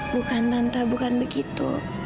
bukan tante bukan begitu